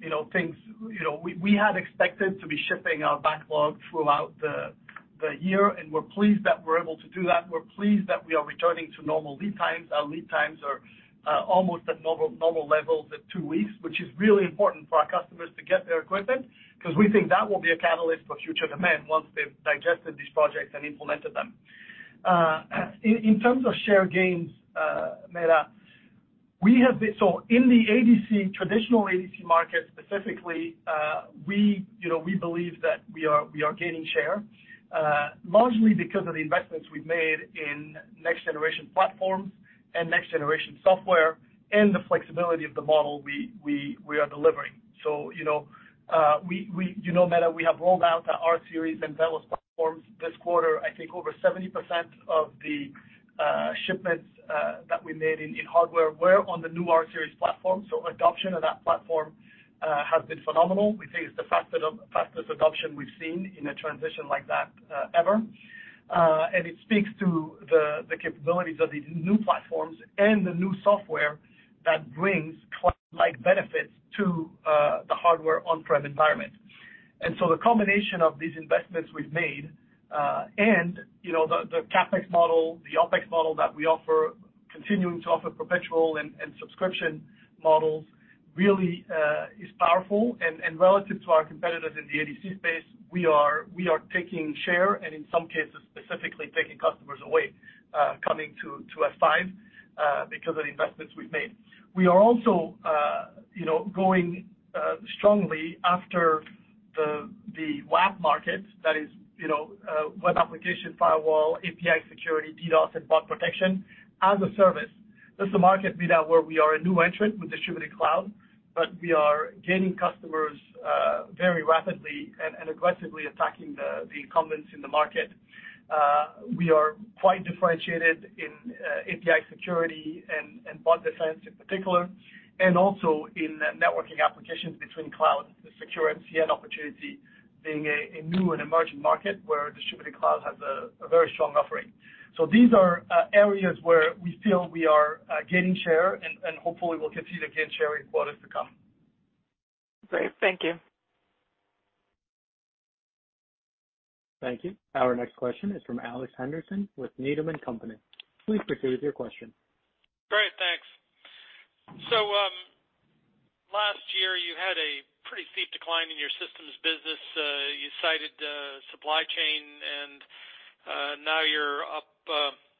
you know, things, you know, we had expected to be shipping our backlog throughout the year, and we're pleased that we're able to do that. We're pleased that we are returning to normal lead times. Our lead times are almost at normal levels at two weeks, which is really important for our customers to get their equipment, 'cause we think that will be a catalyst for future demand once they've digested these projects and implemented them. In terms of share gains, Meta, in the ADC, traditional ADC market specifically, we, you know, we believe that we are gaining share, largely because of the investments we've made in next-generation platforms and next-generation software, and the flexibility of the model we are delivering. You know, we, you know, Meta, we have rolled out the rSeries and VELOS platforms this quarter. I think over 70% of the shipments that we made in hardware were on the new rSeries platform, so adoption of that platform has been phenomenal. We think it's the fastest adoption we've seen in a transition like that ever. It speaks to the capabilities of these new platforms and the new software that brings cloud-like benefits to the hardware on-prem environment. The combination of these investments we've made, and, you know, the CapEx model, the OpEx model that we offer, continuing to offer perpetual and subscription models, really is powerful. Relative to our competitors in the ADC space, we are taking share, and in some cases, specifically taking customers away, coming to F5, because of the investments we've made. We are also, you know, going strongly after the WAF market. That is, you know, web application firewall, API security, DDoS, and bot protection as a service. This is a market, Meta, where we are a new entrant with Distributed Cloud, but we are gaining customers very rapidly and aggressively attacking the incumbents in the market. We are quite differentiated in API security and Bot Defense in particular, and also in the networking applications between clouds, the secure SCN opportunity being a new and emerging market where Distributed Cloud has a very strong offering. These are areas where we feel we are gaining share, and hopefully we'll continue to gain share in quarters to come. Great. Thank you. Thank you. Our next question is from Alex Henderson with Needham & Company. Please proceed with your question. Great, thanks. Last year you had a pretty steep decline in your systems business. You cited supply chain and now you're up,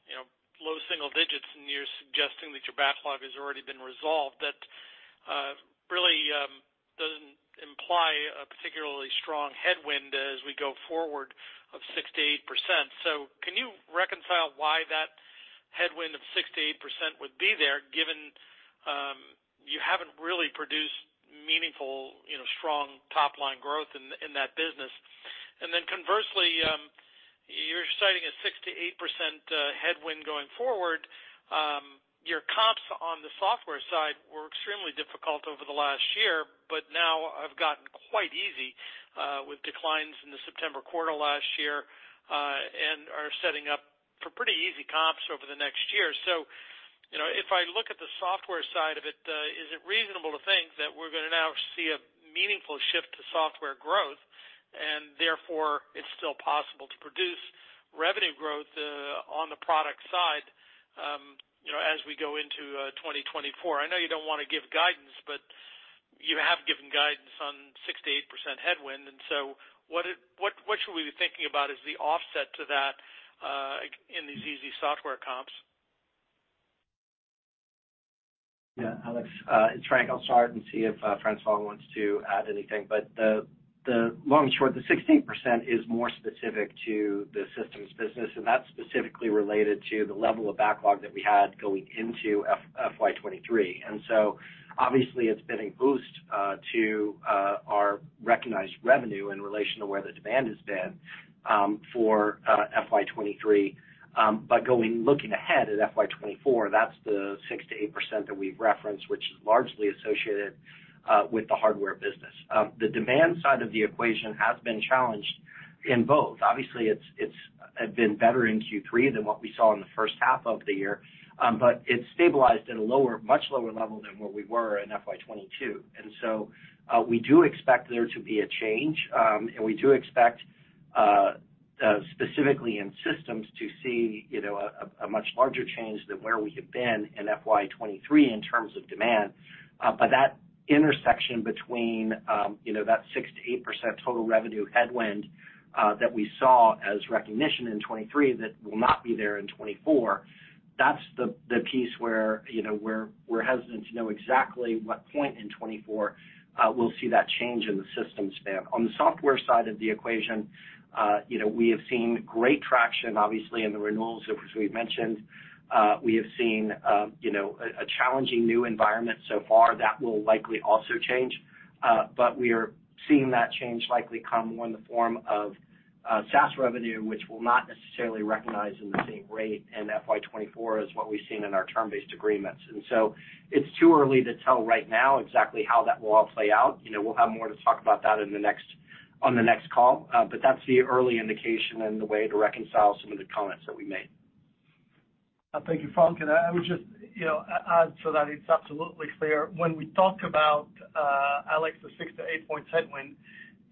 you know, low single digits, and you're suggesting that your backlog has already been resolved. That really doesn't imply a particularly strong headwind as we go forward of 6%-8%. Can you reconcile why that headwind of 6%-8% would be there, given you haven't really produced meaningful, you know, strong top-line growth in that business? Conversely, you're citing a 6%-8% headwind going forward. Your comps on the software side were extremely difficult over the last year, but now have gotten quite easy with declines in the September quarter last year and are setting up for pretty easy comps over the next year. You know, if I look at the software side of it, is it reasonable to think that we're gonna now see a meaningful shift to software growth, and therefore it's still possible to produce revenue growth on the product side, you know, as we go into 2024? I know you don't want to give guidance, but you have given guidance on 6%-8% headwind, what should we be thinking about as the offset to that in these easy software comps? Yeah, Alex, it's Frank. I'll start and see if François wants to add anything. The long and short, the 6%-8% is more specific to the systems business, and that's specifically related to the level of backlog that we had going into FY 2023. Obviously, it's been a boost to our recognized revenue in relation to where the demand has been for FY 2023. Going looking ahead at FY 2024, that's the 6%-8% that we've referenced, which is largely associated with the hardware business. The demand side of the equation has been challenged in both. Obviously, it's been better in Q3 than what we saw in the first half of the year, but it's stabilized at a lower, much lower level than where we were in FY 2022. We do expect there to be a change, and we do expect specifically in systems to see, you know, a much larger change than where we have been in FY 2023 in terms of demand. That intersection between, you know, that 6%-8% total revenue headwind, that we saw as recognition in 2023, that will not be there in 2024. That's the piece where, you know, we're hesitant to know exactly what point in 2024, we'll see that change in the systems span. On the software side of the equation, you know, we have seen great traction, obviously, in the renewals, as we've mentioned. We have seen, you know, a challenging new environment so far. That will likely also change, but we are seeing that change likely come more in the form of...... SaaS revenue, which will not necessarily recognize in the same rate in FY 2024 as what we've seen in our term-based agreements. It's too early to tell right now exactly how that will all play out. You know, we'll have more to talk about that on the next call. That's the early indication and the way to reconcile some of the comments that we made. Thank you, François. I would just, you know, add so that it's absolutely clear. When we talk about, Alex, the six to eight points headwind,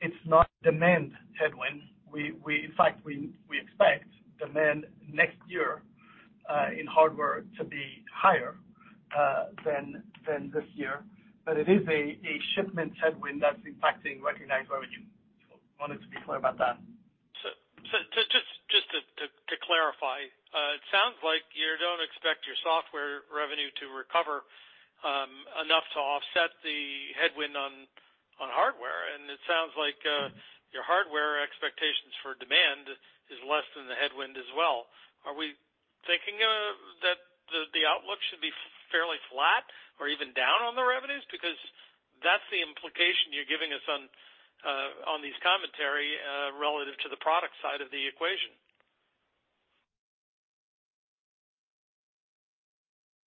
it's not demand headwind. We, in fact, we expect demand next year in hardware to be higher than this year. It is a shipment headwind that's impacting recognized revenue. Wanted to be clear about that. Just to clarify, it sounds like you don't expect your software revenue to recover enough to offset the headwind on hardware, and it sounds like your hardware expectations for demand is less than the headwind as well. Are we thinking that the outlook should be fairly flat or even down on the revenues? That's the implication you're giving us on these commentary relative to the product side of the equation.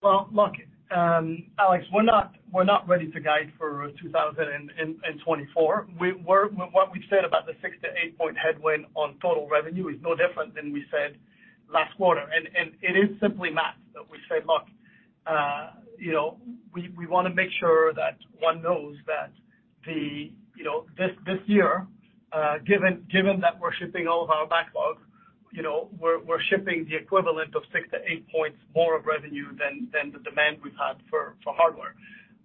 Well, look, Alex, we're not, we're not ready to guide for 2024. What we've said about the six to eight point headwind on total revenue is no different than we said last quarter, it is simply math, that we say, look, you know, we wanna make sure that one knows that this year, given that we're shipping all of our backlog, you know, we're shipping the equivalent of six to eight points more of revenue than the demand we've had for hardware.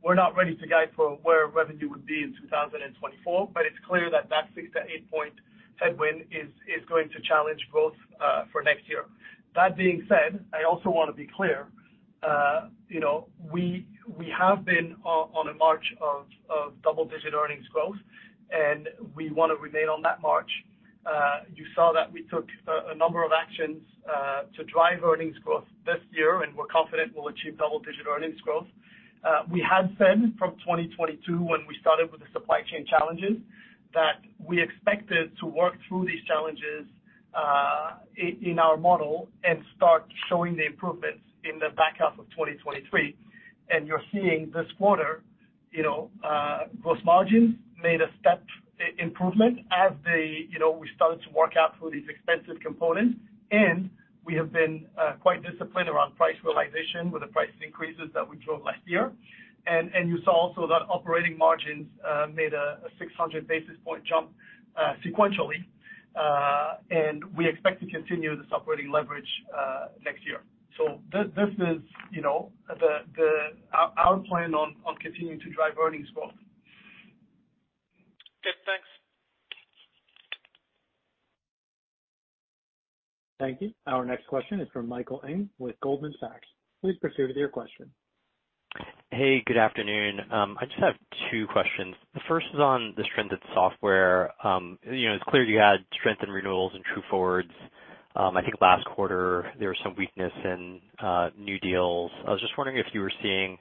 We're not ready to guide for where revenue would be in 2024, it's clear that that six to eight point headwind is going to challenge growth for next year. That being said, I also want to be clear, you know, we have been on a march of double-digit earnings growth, and we want to remain on that march. You saw that we took a number of actions to drive earnings growth this year, and we're confident we'll achieve double-digit earnings growth. We had said from 2022, when we started with the supply chain challenges, that we expected to work through these challenges in our model and start showing the improvements in the back half of 2023. You're seeing this quarter, you know, gross margins made a step improvement as the, you know, we started to work out through these expensive components, and we have been quite disciplined around price realization with the price increases that we drove last year. You saw also that operating margins made a 600 basis point jump sequentially. We expect to continue this operating leverage next year. This is, you know, our plan on continuing to drive earnings growth. Okay, thanks. Thank you. Our next question is from Michael Ng with Goldman Sachs. Please proceed with your question. Hey, good afternoon. I just have two questions. The first is on the strength of the software. You know, it's clear you had strength in renewals and True Forwards. I think last quarter there was some weakness in new deals. I was just wondering if you were seeing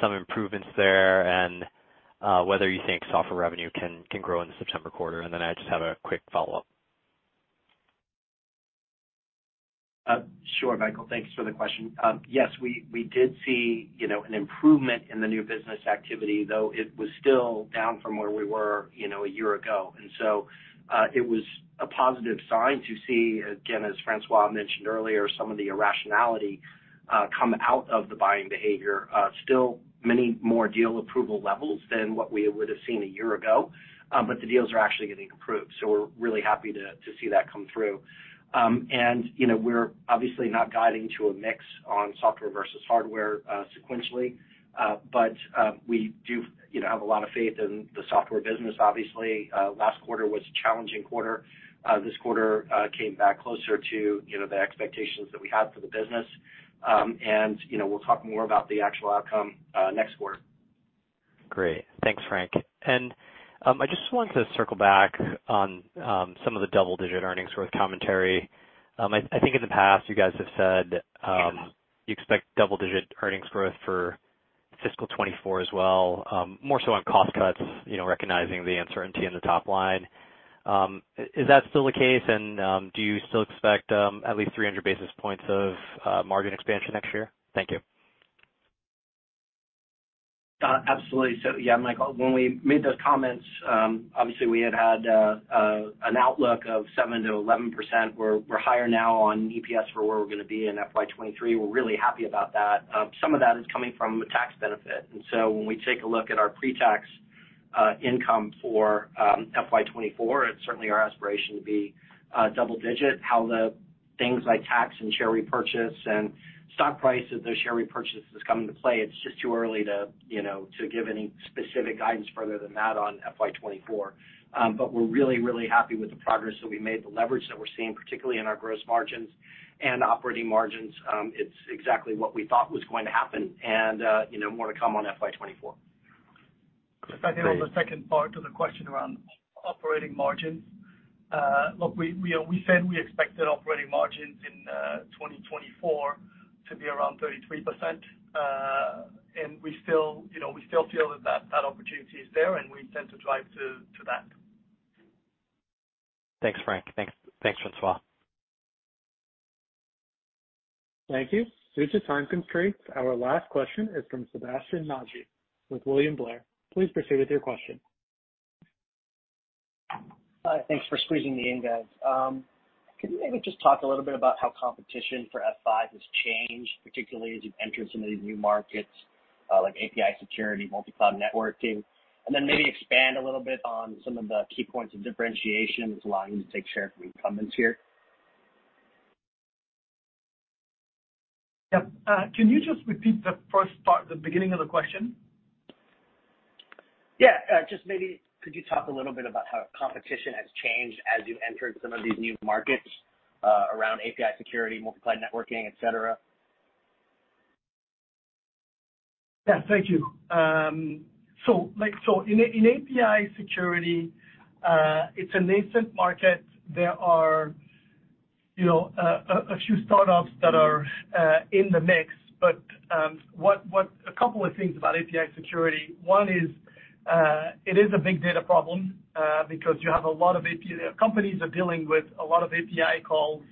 some improvements there and whether you think software revenue can grow in the September quarter. I just have a quick follow-up. Sure, Michael, thanks for the question. Yes, we did see, you know, an improvement in the new business activity, though it was still down from where we were, you know, a year ago. It was a positive sign to see, again, as François mentioned earlier, some of the irrationality come out of the buying behavior. Still many more deal approval levels than what we would have seen a year ago, the deals are actually getting approved, we're really happy to see that come through. You know, we're obviously not guiding to a mix on software versus hardware, sequentially, we do, you know, have a lot of faith in the software business, obviously. Last quarter was a challenging quarter. This quarter came back closer to, you know, the expectations that we had for the business. You know, we'll talk more about the actual outcome next quarter. Great. Thanks, Frank. I just wanted to circle back on some of the double-digit earnings growth commentary. I think in the past you guys have said, you expect double-digit earnings growth for fiscal 2024 as well, more so on cost cuts, you know, recognizing the uncertainty in the top line. Is that still the case, and do you still expect at least 300 basis points of margin expansion next year? Thank you. Absolutely. Yeah, Michael, when we made those comments, obviously, we had had an outlook of 7%-11%. We're higher now on EPS for where we're gonna be in FY 2023. We're really happy about that. Some of that is coming from a tax benefit. When we take a look at our pre-tax income for FY 2024, it's certainly our aspiration to be double-digit. How the things like tax and share repurchase and stock price of the share repurchase is coming to play, it's just too early to, you know, to give any specific guidance further than that on FY 2024. But we're really, really happy with the progress that we made, the leverage that we're seeing, particularly in our gross margins and operating margins. It's exactly what we thought was going to happen and, you know, more to come on FY 2024. Great. Just on the second part to the question around operating margins. Look, we said we expected operating margins in 2024 to be around 33%. We still, you know, we still feel that that opportunity is there, and we intend to drive to that. Thanks, Frank. Thanks, thanks, François. Thank you. Due to time constraints, our last question is from Sebastien Naji with William Blair. Please proceed with your question. Hi, thanks for squeezing me in, guys. Can you maybe just talk a little bit about how competition for F5 has changed, particularly as you've entered some of these new markets, like API security, multi-cloud networking? Then maybe expand a little bit on some of the key points of differentiation that's allowing you to take share from the incumbents here. Yeah, can you just repeat the first part, the beginning of the question? Yeah, just maybe could you talk a little bit about how competition has changed as you entered some of these new markets, around API security, multi-cloud networking, et cetera? Yeah, thank you. In API security, it's a nascent market. There are, you know, a few startups that are in the mix. A couple of things about API security. One is, it is a big data problem because Companies are dealing with a lot of API calls,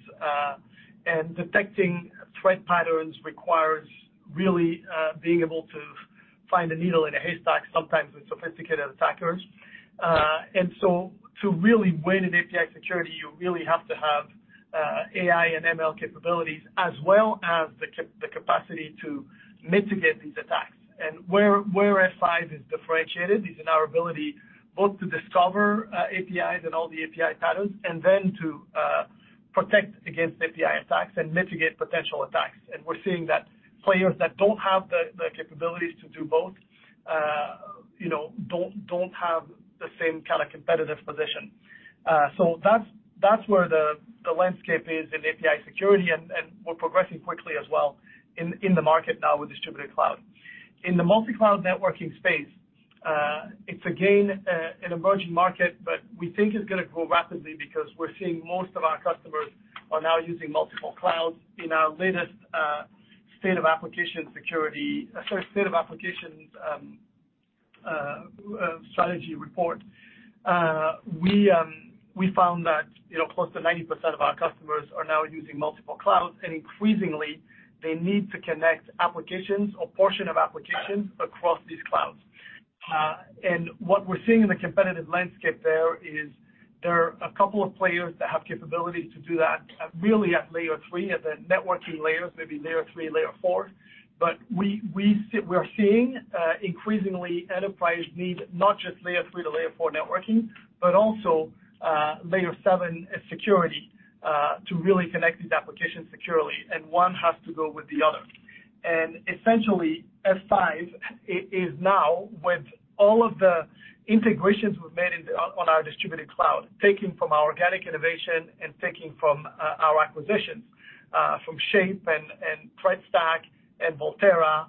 and detecting threat patterns requires really being able to find a needle in a haystack, sometimes with sophisticated attackers. To really win in API security, you really have to have AI and ML capabilities, as well as the capacity to mitigate these attacks. Where F5 is differentiated is in our ability both to discover APIs and all the API patterns, and then to protect against API attacks and mitigate potential attacks. We're seeing that players that don't have the capabilities to do both, you know, don't have the same kind of competitive position. That's where the landscape is in API security, and we're progressing quickly as well in the market now with Distributed Cloud. In the multi-cloud networking space, it's again an emerging market, but we think it's gonna grow rapidly because we're seeing most of our customers are now using multiple clouds. In our latest, State of Application Security, sorry, State of Application Strategy report, we found that, you know, close to 90% of our customers are now using multiple clouds, and increasingly, they need to connect applications or portion of applications across these clouds. What we're seeing in the competitive landscape there is there are a couple of players that have capabilities to do that, really at Layer 3, at the networking layers, maybe Layer 3, Layer 4. We're seeing, increasingly enterprises need not just Layer 3 to Layer 4 networking, but also, Layer 7 security, to really connect these applications securely, and one has to go with the other. Essentially, F5 is now, with all of the integrations we've made on our Distributed Cloud, taking from our organic innovation and taking from our acquisitions from Shape and Threat Stack and Volterra,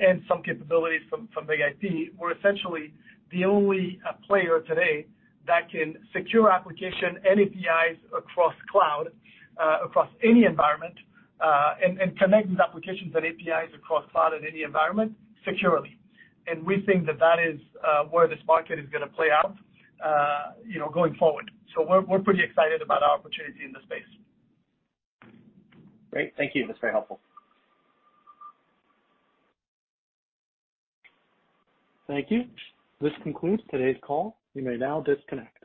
and some capabilities from BIG-IP, we're essentially the only player today that can secure application and APIs across cloud, across any environment, and connect these applications and APIs across cloud in any environment securely. We think that that is where this market is gonna play out, you know, going forward. We're pretty excited about our opportunity in this space. Great. Thank you. That's very helpful. Thank you. This concludes today's call. You may now disconnect.